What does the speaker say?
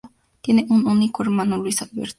Tiene un único hermano: Luis Alberto.